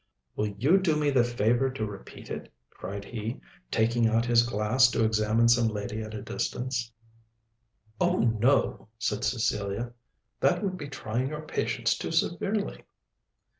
"Will you do me the favor to repeat it?" cried he, taking out his glass to examine some lady at a distance. "Oh no," said Cecilia, "that would be trying your patience too severely."